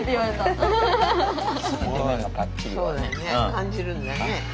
感じるんだね。